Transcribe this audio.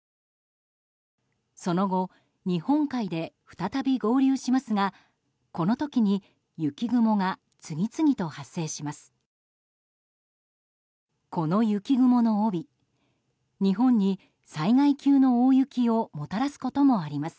その後、日本海で再び合流しますがこの時に雪雲が次々と発生します。